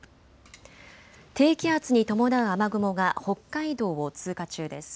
低気圧に伴う雨雲が北海道を通過中です。